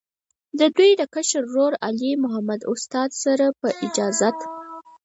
د دوي د کشر ورور، علي محمد استاذ، پۀ اجازت